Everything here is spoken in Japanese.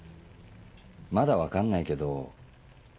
まだ分かんないけど。